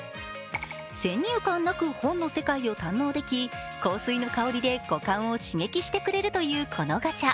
先入観なく本の世界を堪能でき香水の香りで五感を刺激してくれるというこのガチャ。